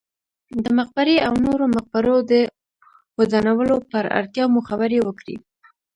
د مقبرې او نورو مقبرو د ودانولو پر اړتیا مو خبرې وکړې.